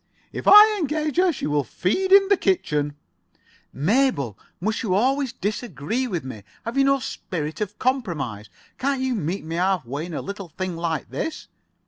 "If I engage her, she will feed in the kitchen." "Mabel, must you always disagree with me? Have you no spirit of compromise? Can't you meet me half way in a little thing like this?"